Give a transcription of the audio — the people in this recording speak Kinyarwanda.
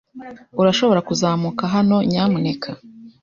Urashobora kuzamuka hano, nyamuneka?